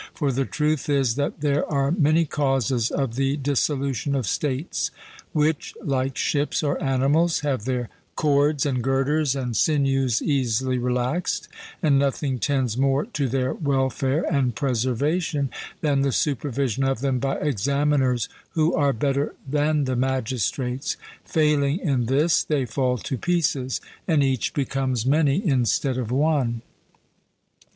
For the truth is that there are many causes of the dissolution of states; which, like ships or animals, have their cords, and girders, and sinews easily relaxed, and nothing tends more to their welfare and preservation than the supervision of them by examiners who are better than the magistrates; failing in this they fall to pieces, and each becomes many instead of one.